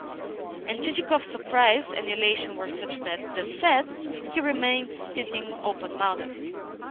And Chichikov's surprise and elation were such that, this said, he remained sitting open mouthed.